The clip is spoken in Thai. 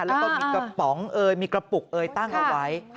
แล้วก็มีกระป๋องเอ่ยมีกระปุกเอยตั้งเอาไว้